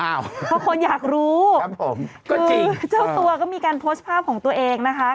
อ้าวครับผมคือเจ้าตัวก็มีการโพสต์ภาพของตัวเองนะคะอ้าว